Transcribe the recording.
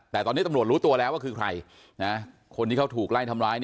แต่ตอนนี้ตำรวจรู้ตัวแล้วว่าคือใครคนที่เขาถูกไล่ทำร้าย